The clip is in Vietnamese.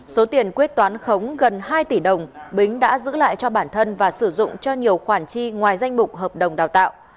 số tiền quyết toán khống gần hai tỷ đồng bính đã giữ lại cho bản thân và sử dụng cho nhiều khoản chi ngoài danh mục hợp đồng đào tạo